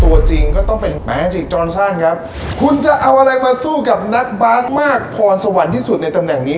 ตัวจริงก็ต้องเป็นแมจิกจอนสั้นครับคุณจะเอาอะไรมาสู้กับนักบาสมากพรสวรรค์ที่สุดในตำแหน่งนี้